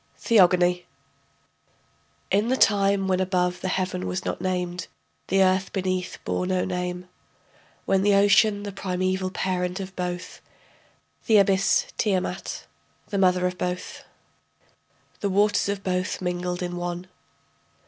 THEOGONY In the time when above the heaven was not named, The earth beneath bore no name, When the ocean, the primeval parent of both, The abyss Tiamat the mother of both.... The waters of both mingled in one.